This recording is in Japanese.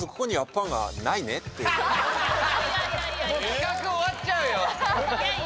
企画終わっちゃうよ